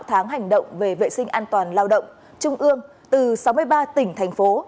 tháng hành động về vệ sinh an toàn lao động trung ương từ sáu mươi ba tỉnh thành phố